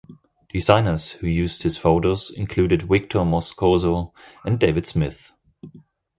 Designers who used his photos included Victor Moscoso and David Smith.